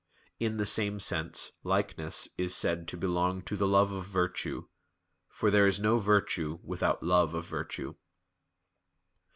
In the same sense "likeness" is said to belong to "the love of virtue": for there is no virtue without love of virtue.